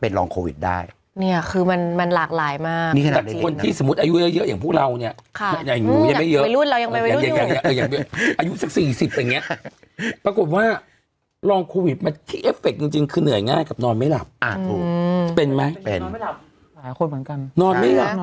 นอนไม่ได้หรอกนอนที่นอนนอนยากขึ้นก็เหมือนกันอย่างเงี้ยนอน